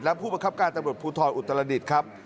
และผู้บังคับการตระบุภูตรอุตรรดิษฐ์ครับ